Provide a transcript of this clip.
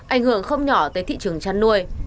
ảnh hưởng không nhỏ tới thị trường chăn nuôi